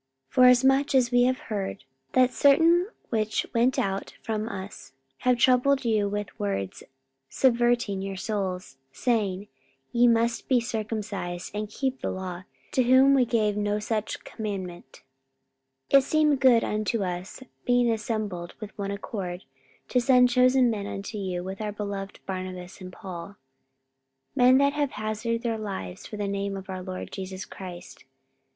44:015:024 Forasmuch as we have heard, that certain which went out from us have troubled you with words, subverting your souls, saying, Ye must be circumcised, and keep the law: to whom we gave no such commandment: 44:015:025 It seemed good unto us, being assembled with one accord, to send chosen men unto you with our beloved Barnabas and Paul, 44:015:026 Men that have hazarded their lives for the name of our Lord Jesus Christ.